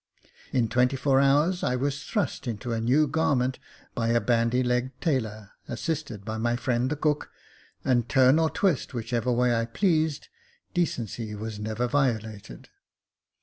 In twenty four hours I was thrust into a new garment by a bandy legged tailor, assisted by my friend the cook, and turn or twist whichever way I pleased, decency was never violated.